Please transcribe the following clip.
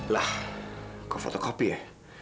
lah kau fotokopi ya